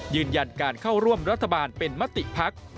ยืนยันการเข้าร่วมรัฐบาลเป็นมติภักดิ์